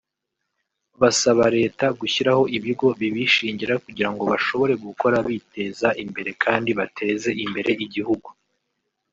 Basaba Leta gushyiraho ibigo bibishingira kugira ngo bashobore gukora biteza imbere kandi bateza imbere igihugu